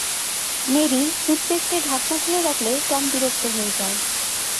Mary টুথপেস্টের ঢাকনা খুলে রাখলে টম বিরক্ত হয়ে যায়।